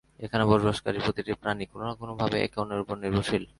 এখানে বসবাসকারী প্রতিটা প্রাণী কোন না কোন ভাবে একে অন্যের উপর নির্ভরশীল।